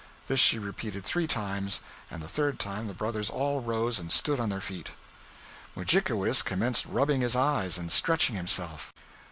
This she repeated three times, and the third time the brothers all arose and stood on their feet. Mudjikewis commenced rubbing his eyes and stretching himself.